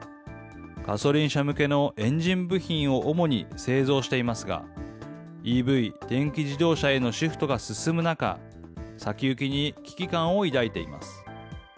ガソリン車向けのエンジン部品を主に製造していますが、ＥＶ・電気自動車へのシフトが進む中、先行きに危機感を抱いています。